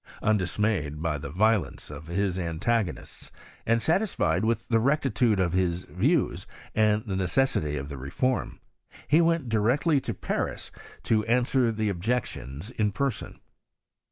Undismayed by the violence of his antagonists, and satisfied with the rectitude of his views, and the necessity of the reform, he went directly to Paris to answer the objections in person.